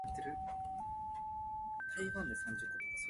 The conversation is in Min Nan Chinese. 人心是肉做的